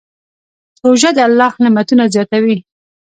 روژه د الله نعمتونه زیاتوي.